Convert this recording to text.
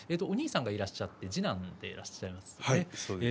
お兄さんがいらっしゃって次男でいらっしゃいますね。